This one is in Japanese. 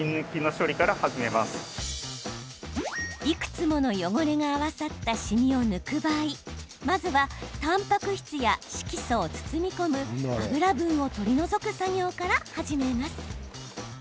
いくつもの汚れが合わさったしみを抜く場合、まずはたんぱく質や色素を包み込む油分を取り除く作業から始めます。